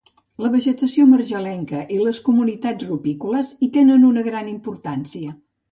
La vegetació marjalenca i les comunitats rupícoles hi tenen una gran importància.